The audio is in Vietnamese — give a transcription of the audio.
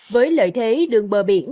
với lợi thế đường bờ biển